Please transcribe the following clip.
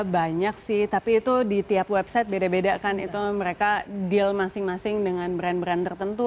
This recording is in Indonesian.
banyak sih tapi itu di tiap website beda beda kan itu mereka deal masing masing dengan brand brand tertentu